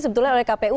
sebetulnya oleh kpu